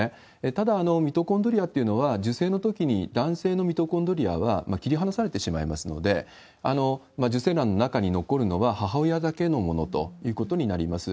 ただ、ミトコンドリアというのは、受精のときに男性のミトコンドリアは切り離されてしまいますので、受精卵の中に残るのは母親だけのものということになります。